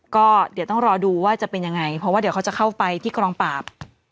ก็เดี๋ยวต้องรอดูว่าจะเป็นยังไงเพราะว่าเดี๋ยวเขาจะเข้าไปที่กองปราบ